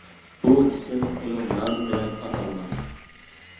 بۇ ئىسىم ئۇنىڭ نامى بىلەن ئاتالغان.